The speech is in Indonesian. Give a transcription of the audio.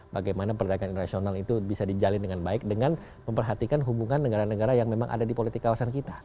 bagaimana perdagangan internasional itu bisa dijalin dengan baik dengan memperhatikan hubungan negara negara yang memang ada di politik kawasan kita